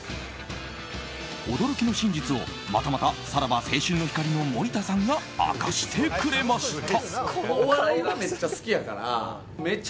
驚きの真実をまたまた、さらば青春の光の森田さんが明かしてくれました。